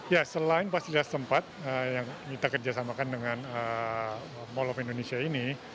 ya selain pas tidak sempat yang kita kerjasamakan dengan mall of indonesia ini